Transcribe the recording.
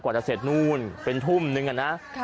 จะเสร็จนู่นเป็นทุ่มนึงอะนะ